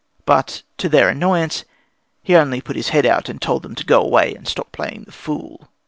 But, to their annoyance, he only put his head out and told them to go away and stop playing the fool.